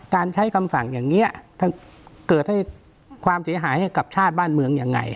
การใช้คำสั่งอย่างนี้เกิดให้ความเสียหายให้กับชาติบ้านเมืองยังไง